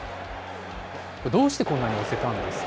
どうしてこんなに押せたんですか。